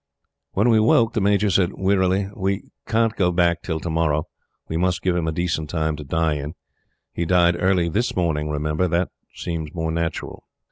When we woke the Major said, wearily: "We can't go back till to morrow. We must give him a decent time to die in. He died early THIS morning, remember. That seems more natural."